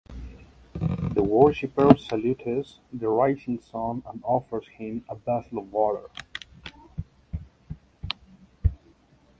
The worshiper salutes the rising sun and offers him a vessel of water.